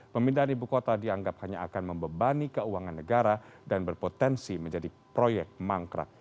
pemindahan ibu kota dianggap hanya akan membebani keuangan negara dan berpotensi menjadi proyek mangkrak